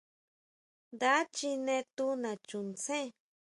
Nda chine tu nachuntsén.